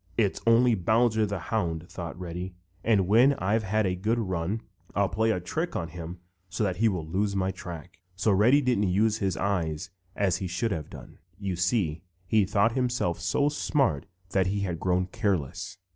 "It's only Bowser the Hound," thought Reddy, "and when I've had a good run, I'll play a trick on him so that he will lose my track." So Reddy didn't use his eyes as he should have done. You see, he thought himself so smart that he had grown careless.